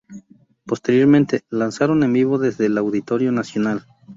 Posteriormente, lanzaron En vivo desde el Auditorio Nacional.